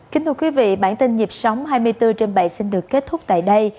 kính thưa quý vị bản tin nhịp sống hai mươi bốn trên bảy xin được kết thúc tại đây